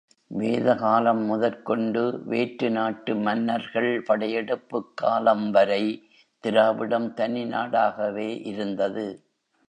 வேதகாலம் முதற்கொண்டு வேற்றுநாட்டு மன்னர்கள் படையெடுப்புக் காலம்வரை திராவிடம் தனி நாடாகவே இருந்தது!